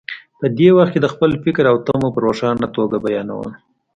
په دې وخت کې د خپل فکر او تمو په روښانه توګه بیانول.